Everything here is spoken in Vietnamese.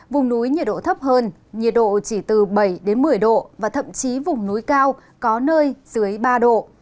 vùng núi nhiệt độ thấp hơn nhiệt độ chỉ từ bảy một mươi độ và thậm chí vùng núi cao có nơi dưới ba độ